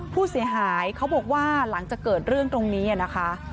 ผู้เสียหายเขาบอกว่าหลังจากเกิดเรื่องตรงนี้นะคะ